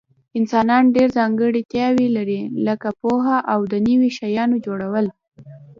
انسانان ډیر ځانګړتیاوي لري لکه پوهه او د نوي شیانو جوړول